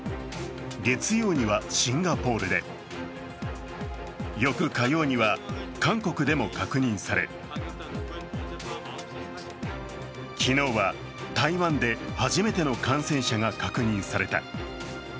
月曜にはシンガポールで、翌火曜には韓国でも確認され、昨日は、台湾で初めての感染者が確認された。